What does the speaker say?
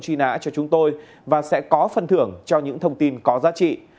truy nã cho chúng tôi và sẽ có phần thưởng cho những thông tin có giá trị